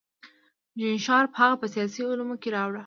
جین شارپ هغه په سیاسي علومو کې راوړه.